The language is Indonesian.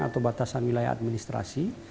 atau batasan wilayah administrasi